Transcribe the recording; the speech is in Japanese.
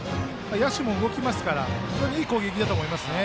野手も動きますから非常にいい攻撃だと思いますね。